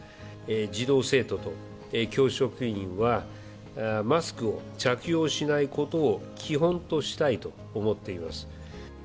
児童・生徒と教職員は、マスクを着用しないことを基本としたいと思っています。